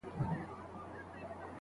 په امکاناتو کي د خیر لټون وکړئ.